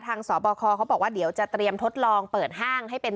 สบคเขาบอกว่าเดี๋ยวจะเตรียมทดลองเปิดห้างให้เป็น